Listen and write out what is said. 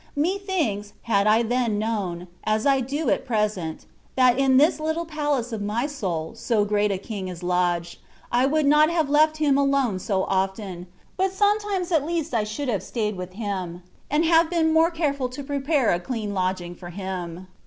Methinks, had I then known, as I do at present, that in this little palace of my soul so great a King is lodged, I would not have left him alone so often, but sometimes at least I should have stayed with Him, and have been more careful to prepare a clean lodging for Him.